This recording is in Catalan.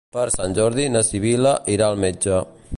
Per Sant Jordi na Sibil·la irà al metge.